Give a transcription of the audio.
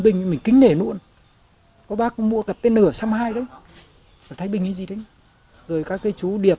binh mình kính nể luôn có bác mua cặp tên nửa xăm hai đấy thái bình cái gì đấy rồi các cái chú điệp